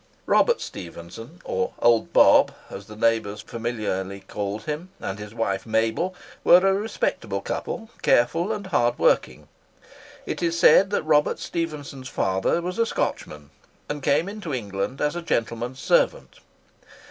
Robert Stephenson, or "Old Bob," as the neighbours familiarly called him, and his wife Mabel, were a respectable couple, careful and hard working. It is said that Robert Stephenson's father was a Scotchman, and came into England as a gentleman's servant.